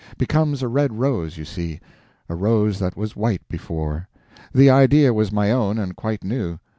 Becomes a red rose, you see—a rose that was white before. The idea was my own, and quite new.